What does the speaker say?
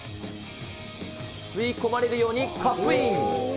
吸い込まれるようにカップイン。